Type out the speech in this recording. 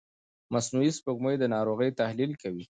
مصنوعي سپوږمکۍ د ناروغۍ تحلیل کوي.